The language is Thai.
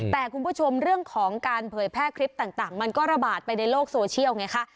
แต่คุณผู้ชมเรื่องของการเผยแพร่คลิปต่างมันก็ระบาดไปในโลกโซเชียลไงคะ